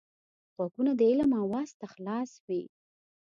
غوږونه د علم آواز ته خلاص وي